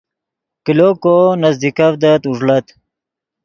کلو کو نزیکڤدت اوݱڑت